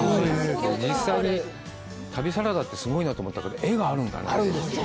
実際に旅サラダってすごいなと思ったの画があるんだね